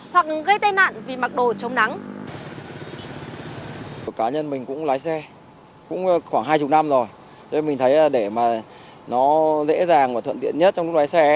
hoặc gây tai nạn vì mặc đồ chống nắng